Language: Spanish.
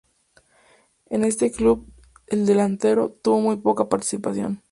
En este Club, el delantero; tuvo muy poca participación.